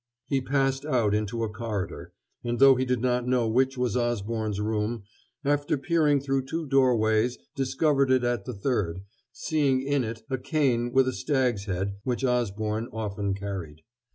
He passed out into a corridor, and, though he did not know which was Osborne's room, after peering through two doorways discovered it at the third, seeing in it a cane with a stag's head which Osborne often carried.